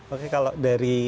oke kalau dari